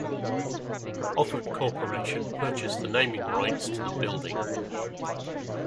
Offutt corporation purchased the naming rights of the building.